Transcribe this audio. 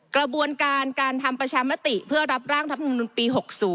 กระบวนการการทำประชามติเพื่อรับร่างธรรมนุนปี๖๐